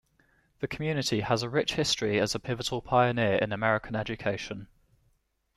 The community has a rich history as a pivotal pioneer in American education.